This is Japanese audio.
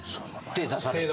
手出されて。